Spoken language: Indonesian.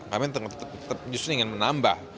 kami justru ingin menambah